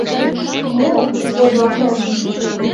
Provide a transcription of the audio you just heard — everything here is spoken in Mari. — Мо? — йодо акаже.